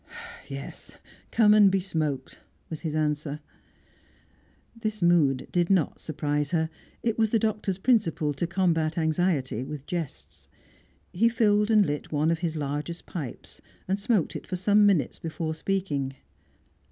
"Yes, come and be smoked," was his answer. This mood did not surprise her. It was the Doctor's principle to combat anxiety with jests. He filled and lit one of his largest pipes, and smoked for some minutes before speaking.